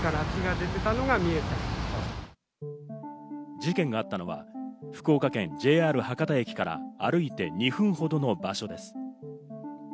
事件があったのは福岡県ＪＲ博多駅から歩いて２分ほどの場所です。